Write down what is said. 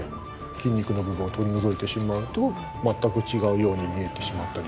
筋肉の部分を取り除いてしまうと全く違うように見えてしまったりする。